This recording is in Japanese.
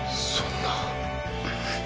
そんな。